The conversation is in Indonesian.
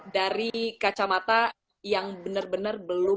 dari kacamata yang benar benar belum